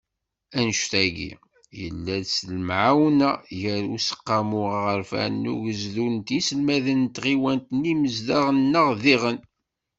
Annect-agi, yella-d s lemɛawna gar Useqqamu Aɣerfan n Ugezdu d yiselwayen n tɣiwanin d yimezdaɣ-nneɣ diɣen.